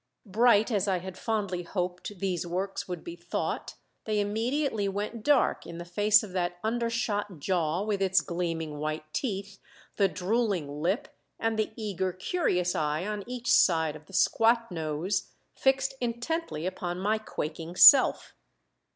Bright as I had fondly hoped these works would be thought, they immediately went dark in the face of that undershot jaw with its gleaming white teeth, the drooling lip, and the eager, curious eye on each side of the squat nose, fixed intently upon my quaking self.